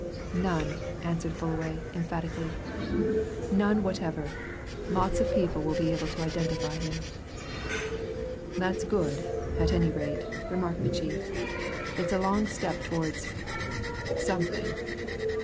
"None!" answered Fullaway emphatically. "None whatever. Lots of people will be able to identify him." "That's good, at any rate," remarked the chief. "It's a long step towards something.